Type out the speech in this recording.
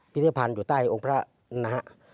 พิธภัณฑ์อยู่ใต้องค์พระนะฮะ